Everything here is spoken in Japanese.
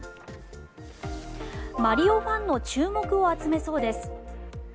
マリオファンの注目を集めそうです。